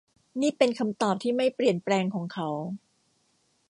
นี่เป็นคำตอบที่ไม่เปลี่ยนแปลงของเขา